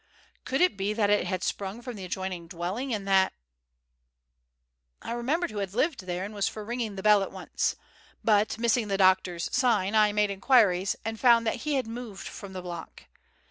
Could it be that it had sprung from the adjoining dwelling, and that I remembered who had lived there and was for ringing the bell at once. But, missing the doctor's sign, I made inquiries and found that he had moved from the block.